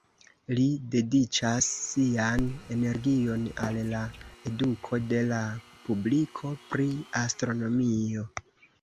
Li dediĉas sian energion al la eduko de la publiko pri astronomio.